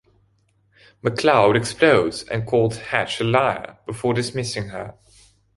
McLeod explodes and calls Hatch a liar before dismissing her.